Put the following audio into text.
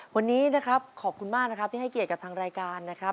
วันนี้ขอบคุณมากที่ให้เกียรติกับทางรายการนะครับ